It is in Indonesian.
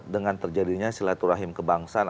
dengan terjadinya silaturahim kebangsaan